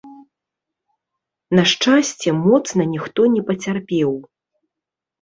На шчасце, моцна ніхто не пацярпеў.